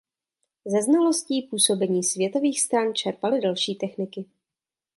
Ze znalostí působení světových stran čerpají další techniky.